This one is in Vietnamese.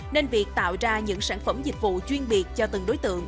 nên việc tạo ra những sản phẩm dịch vụ chuyên biệt cho từng đối tượng